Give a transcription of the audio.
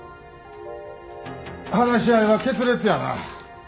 話し合いは決裂やな。